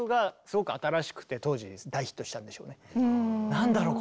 「何だろう？